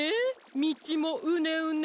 みちもうねうね。